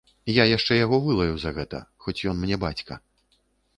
Я яшчэ яго вылаю за гэта, хоць ён мне бацька.